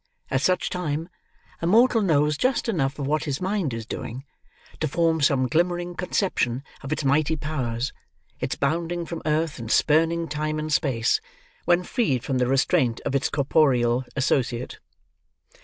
At such time, a mortal knows just enough of what his mind is doing, to form some glimmering conception of its mighty powers, its bounding from earth and spurning time and space, when freed from the restraint of its corporeal associate.